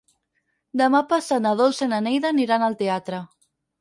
Demà passat na Dolça i na Neida aniran al teatre.